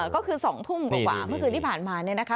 ก็คือ๒ทุ่มกว่าเมื่อคืนที่ผ่านมาเนี่ยนะคะ